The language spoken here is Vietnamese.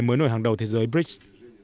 mới nổi hàng đầu thế giới brics